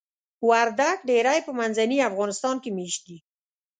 وردګ ډیری په منځني افغانستان کې میشت دي.